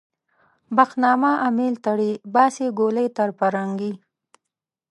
بخت نامه امېل تړي - باسي ګولۍ تر پرنګي